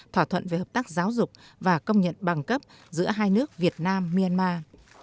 thỏa thuận về hợp tác giáo dục và công nhận bằng cấp giữa hai nước việt nam myanmar